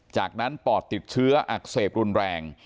จากนั้นปอดติดเชื้ออักเสบรุนแรง